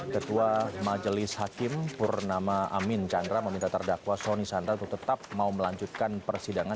ketua majelis hakim purnama amin chandra meminta terdakwa soni sandra untuk tetap mau melanjutkan persidangan